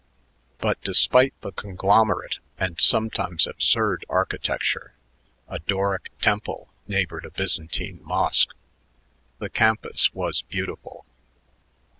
But despite the conglomerate and sometimes absurd architecture a Doric temple neighbored a Byzantine mosque the campus was beautiful.